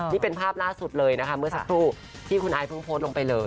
นี่เป็นภาพล่าสุดเลยนะคะเมื่อสักครู่ที่คุณไอเพิ่งโพสต์ลงไปเลย